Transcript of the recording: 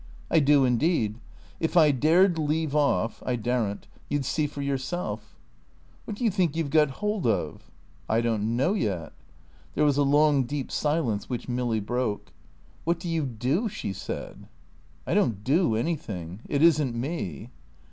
"I do indeed. If I dared leave off (I daren't) you'd see for yourself." "What do you think you've got hold of?" "I don't know yet." There was a long deep silence which Milly broke. "What do you do?" she said. "I don't do anything. It isn't me."